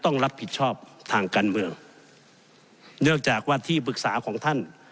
ต้องรับผิดชอบทางการเมืองเนื่องจากว่าที่ปรึกษาของท่าน